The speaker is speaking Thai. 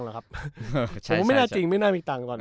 ผมว่าไม่แน่จริงไม่น่ามีตังค์ตอนนี้